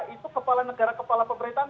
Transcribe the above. itu kepala negara kepala pemerintahan